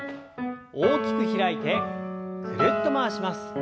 大きく開いてぐるっと回します。